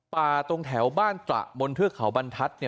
ป่าตรงแถวบ้านตระบนเทือกเขาบรรทัศน์